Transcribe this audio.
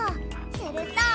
すると。